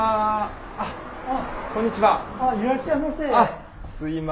あっいらっしゃいませ。